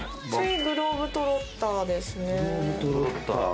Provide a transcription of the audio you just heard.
グローブ・トロッターですね。